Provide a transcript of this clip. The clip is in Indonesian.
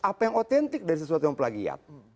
apa yang otentik dari sesuatu yang pelagian